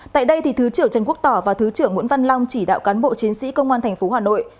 tại đây thứ trưởng trần quốc tỏ và thứ trưởng nguyễn văn long chỉ đạo cán bộ chiến sĩ công an thành phố hà nội